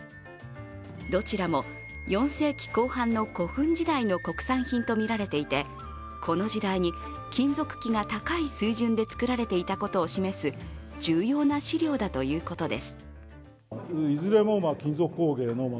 どちらも４世紀後半の古墳時代の国産品とみられていて、この時代に金属器が高い水準で作られていたことを示す重要な資料だということです。